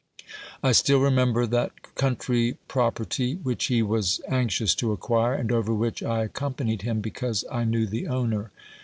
I still remember that country property which he was anxious to acquire, and over which I accompanied him because I knew the owner.